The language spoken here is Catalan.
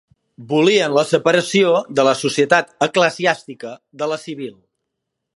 Volien la separació de la societat eclesiàstica de la civil.